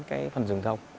cái phần rừng thông